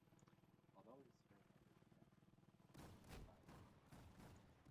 Although he served under Sam Houston, the two despised each other.